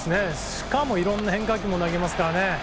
しかも、いろんな変化球も投げますからね。